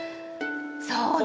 そうね